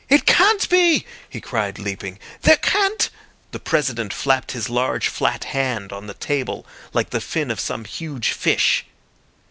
"It can't be!" he cried, leaping. "There can't—" The President flapped his large flat hand on the table like the fin of some huge fish.